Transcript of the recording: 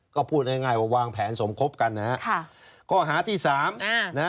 ก็พูดง่ายว่าวางแผนสมครบกัน